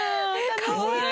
かわいい！